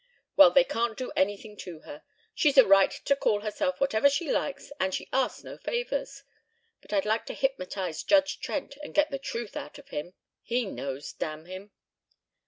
"Well, they can't do anything to her. She's a right to call herself whatever she likes, and she asks no favors. But I'd like to hypnotize Judge Trent and get the truth out of him. He knows, damn him!"